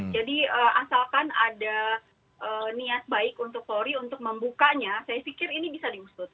jadi asalkan ada niat baik untuk polri untuk membukanya saya pikir ini bisa diusut